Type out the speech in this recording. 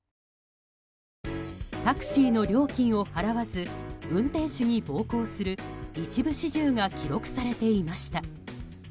タクシーの料金を払わず運転手に暴行する一部始終が記録されていました。